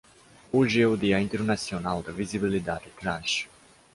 Hoje é o Dia Internacional da Visibilidade Trans